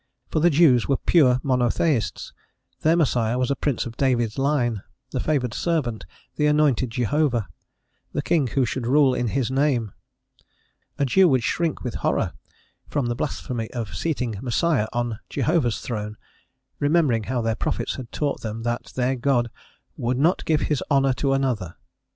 For the Jews were pure monotheists; their Messiah was a prince of David's line, the favoured servant, the anointed Jehovah, the king who should rule in His name: a Jew would shrink with horror from the blasphemy of seating Messiah on Jehovah's throne remembering how their prophets had taught them that their God "would not give His honour to another."